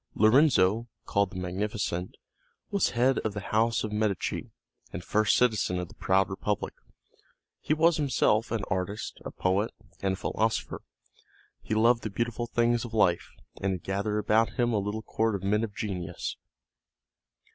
Lorenzo, called the Magnificent, was head of the house of Medici, and first citizen of the proud Republic. He was himself an artist, a poet, and a philosopher; he loved the beautiful things of life, and had gathered about him a little court of men of genius.